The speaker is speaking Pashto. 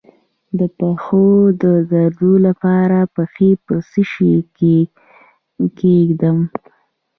د پښو د درد لپاره پښې په څه شي کې کیږدم؟